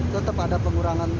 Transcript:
tetap ada pengurangan